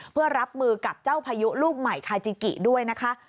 เพื่อรับมือกับเจ้าพายุลูกใหม่คาจิกิด้วยนะคะ